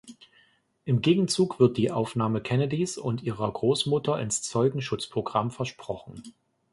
Im Gegenzug wird die Aufnahme Kennedys und ihrer Großmutter ins Zeugenschutzprogramm versprochen.